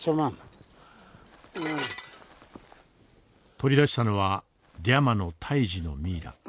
取り出したのはリャマの胎児のミイラ。